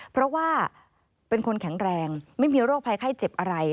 เพราะว่าเป็นคนแข็งแรงไม่มีโรคภัยไข้เจ็บอะไร